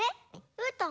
・うーたん！